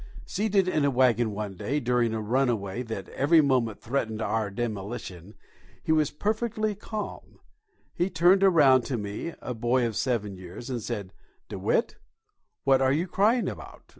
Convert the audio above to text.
Seated in a waggon one day during a runaway that every moment threatened our demolition, he was perfectly calm. He turned around to me, a boy of seven years, and said, "DeWitt, what are you crying about?